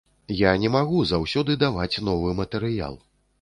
Я не магу заўсёды даваць новы матэрыял.